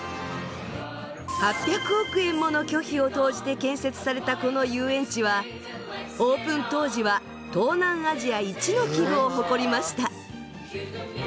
８００億円もの巨費を投じて建設されたこの遊園地はオープン当時は東南アジア一の規模を誇りました。